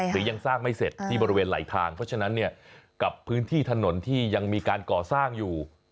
หรือยังสร้างไม่เสร็จที่บริเวณไหลทางเพราะฉะนั้นเนี่ยกับพื้นที่ถนนที่ยังมีการก่อสร้างอยู่